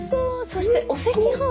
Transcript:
そしてお赤飯？